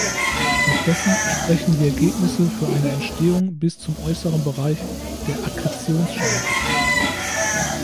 Stattdessen sprechen die Ergebnisse für eine Entstehung bis zum äußeren Bereich der Akkretionsscheibe.